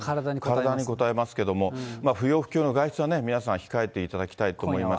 体にこたえますけれども、不要不急の外出はね、皆さん、控えていただきたいと思います。